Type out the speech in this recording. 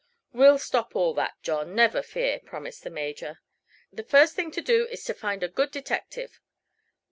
"We'll stop all that, John, never fear," promised the Major. "The first thing to do is to find a good detective."